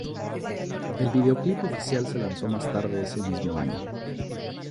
El video-clip oficial se lanzó más tarde ese mismo año.